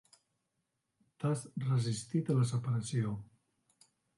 T'has resistit a la separació.